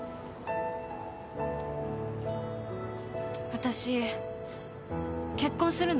私結婚するの。